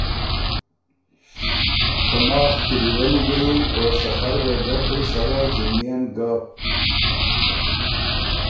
خه ماخ کِلی ولّي ګۀ یېن او سخر وېګۀ بو سره ځُونيېن ګۀ۔